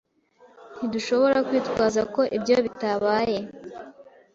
Ntidushobora kwitwaza ko ibyo bitabaye.